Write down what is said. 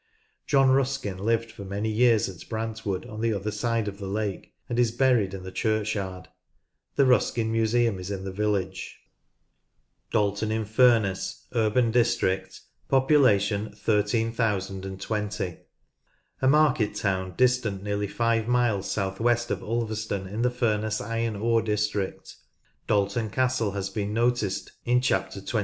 John Ruskin lived for many years at Brantwood, on the other side of the lake, and is buried in the churchyard. The Ruskin Museum is in the village, (pp. 58, 65, 67, 139, 145, I59 ) DaltOn in FurnesS, U.D. (13,020). A market town distant nearly five miles south west of Ulverston, in the Furness iron ore district. Dalton Castle has been noticed in Chapter 22.